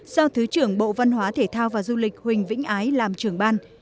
do thứ trưởng bộ văn hóa thể thao và du lịch huỳnh vĩnh ái làm trưởng ban